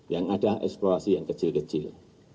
yang ada eksplorasi yang kecil kecil